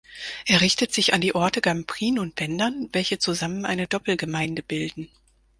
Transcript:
Er richtet sich an die Orte Gamprin und Bendern, welche zusammen eine Doppelgemeinde bilden.